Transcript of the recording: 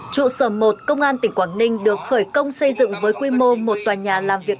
trụ sở một công an tỉnh quảng ninh được khởi công xây dựng với quy mô một tòa nhà làm việc